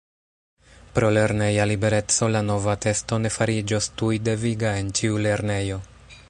Pro lerneja libereco la nova testo ne fariĝos tuj deviga en ĉiu lernejo.